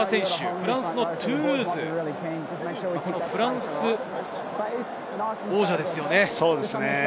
フランスのトゥールーズ、フランス王者ですよね。